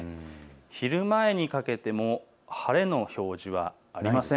昼前にかけても晴れの表示はありません。